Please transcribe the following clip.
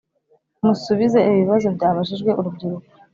Musubize ibi bibazo byabajijwe urubyiruko